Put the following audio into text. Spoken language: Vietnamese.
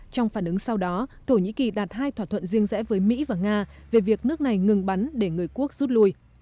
trong phản ứng sau đó thổ nhĩ kỳ đạt hai thỏa thuận riêng rẽ với mỹ và nga về việc nước này ngừng bắn để người quốc rút lui